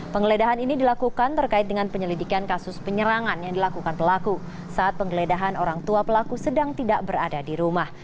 penggeledahan ini dilakukan terkait dengan penyelidikan kasus penyerangan yang dilakukan pelaku saat penggeledahan orang tua pelaku sedang tidak berada di rumah